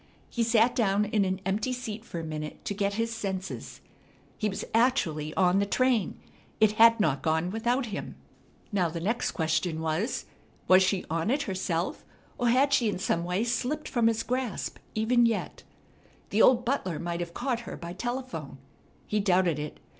He sat down in an empty seat for a minute to get his senses. He was actually on the train! It had not gone without him! Now the next question was, Was she on it herself, or had she in some way slipped from his grasp even yet? The old butler might have caught her by telephone. He doubted it.